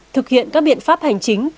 thực hiện các biện pháp hành chính